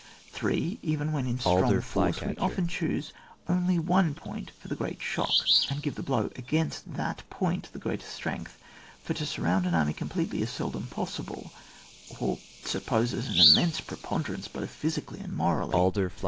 3. Even when in strong force we often choose only one point for the great shock, and give the blow against that point the gpreater strength; for to surround an army completely is seldom possible, or supposes an immense preponderance both physically and morally.